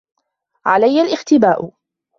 عليّ الاختباء.